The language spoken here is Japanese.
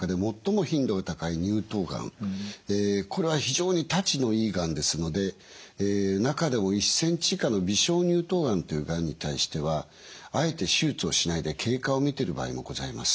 これは非常にたちのいいがんですので中でも１センチ以下の微小乳頭がんというがんに対してはあえて手術をしないで経過を見ている場合もございます。